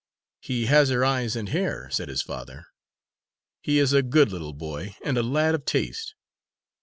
"He has her eyes and hair," said his father. "He is a good little boy and a lad of taste.